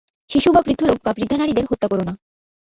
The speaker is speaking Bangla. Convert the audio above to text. শিশু বা বৃদ্ধ লোক বা বৃদ্ধা নারীদের হত্যা করো না।